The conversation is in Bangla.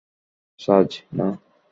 সার্জ, না!